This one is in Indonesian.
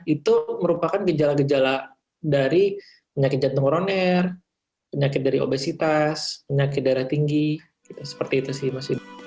itu merupakan gejala gejala dari penyakit jantung koroner penyakit dari obesitas penyakit darah tinggi seperti itu sih mas